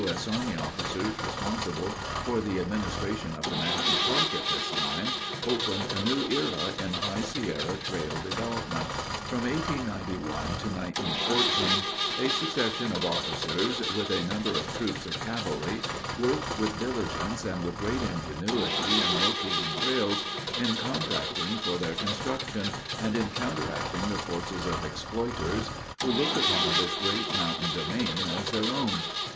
S. Army officers responsible for the administration of the national park at this time opened a new era in High Sierra trail development. From 1891 to 1914 a succession of officers, with a number of troops of cavalry, worked with diligence and with great ingenuity in locating trails, in contracting for their construction, and in counteracting the forces of exploiters who looked upon this great mountain domain as their own.